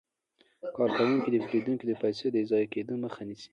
کارکوونکي د پیرودونکو د پيسو د ضایع کیدو مخه نیسي.